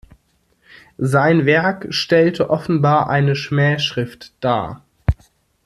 Sein Werk stellte offenbar eine Schmähschrift dar.